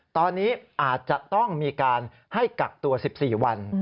ตอนนี้อาจจะต้องมีการให้กักตัว๑๔วัน